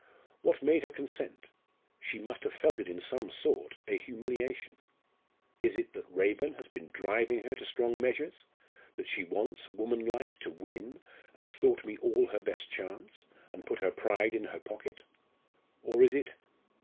What made her consent? she must have felt it in some sort a humiliation. Is it that Raeburn has been driving her to strong measures that she wants, woman like, to win, and thought me after all her best chance, and put her pride in her pocket? Or is it?